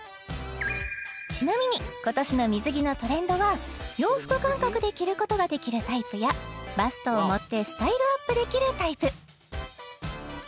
ちなみに今年の水着のトレンドは洋服感覚で着ることができるタイプやバストを盛ってスタイルアップできるタイプ